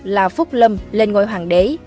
là phúc lâm lên ngôi hoàng đế